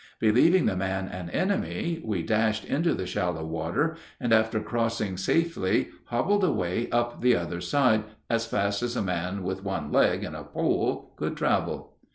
Believing the man an enemy, we dashed into the shallow water, and after crossing safely hobbled away up the other side as fast as a man with one leg and a pole could travel.